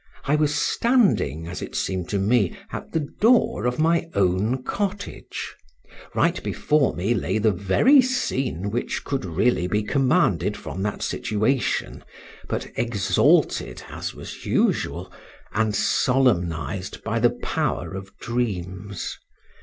I was standing, as it seemed to me, at the door of my own cottage. Right before me lay the very scene which could really be commanded from that situation, but exalted, as was usual, and solemnised by the power of dreams.